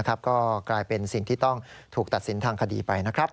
ก็กลายเป็นสิ่งที่ต้องถูกตัดสินทางคดีไปนะครับ